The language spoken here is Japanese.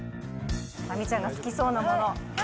亜美ちゃんが好きそうなもの。